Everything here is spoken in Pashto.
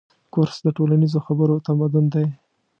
کورس د ټولنیزو خبرو تمرین دی.